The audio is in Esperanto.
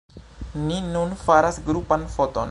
Ni nun faras grupan foton